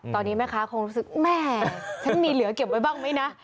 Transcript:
ตอนนี้แม่ค้าคงรู้สึกแม่ฉันมีเหลือเก็บไว้บ้างไหมนะ